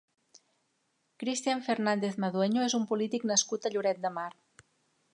Cristian Fernández Madueño és un polític nascut a Lloret de Mar.